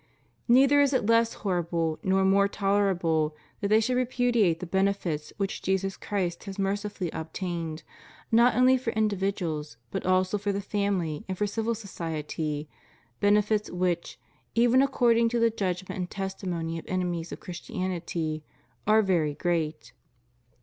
Neither is it less horrible nor more tolerable that they should repudiate the benefits which Jesus Christ has mer cifully obtained, not only for individuals, but also for the family and for civil society, benefits which, even according to the judgment and testimony of enemies of Christianity, are very great.